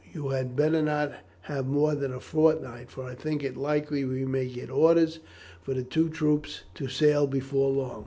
You had better not have more than a fortnight, for I think it likely we may get orders for the two troops to sail before long.